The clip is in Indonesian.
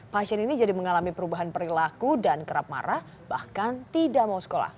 pasien ini jadi mengalami perubahan perilaku dan kerap marah bahkan tidak mau sekolah